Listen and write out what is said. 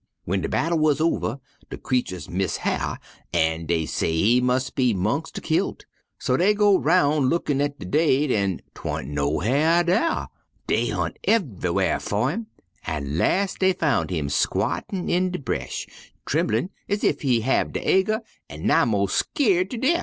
'_ "W'en de battle wuz over, de creeturs miss Hyar', an' dey say he mus' be 'mongs' de kilt, so dey go roun' lookin' at de daid, but 'twan't no Hyar' dar. Dey hunt ev'ywhar fer him an' las' dey foun' him squattin' in de bresh, tremlin' ez ef he have de ager an' nigh mos' skeert ter de'f.